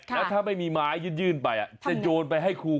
แล้วถ้าไม่มีไม้ยื่นไปจะโยนไปให้ครู